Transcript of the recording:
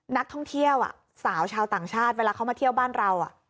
นักท่องเที่ยวสาวชาวต่างชาติเวลาเขามาเที่ยวบ้านเรา